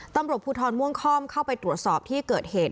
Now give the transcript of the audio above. ตำรวจภูทรม่วงค่อมเข้าไปตรวจสอบที่เกิดเหตุ